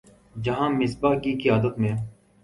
جہاں مصباح کی قیادت میں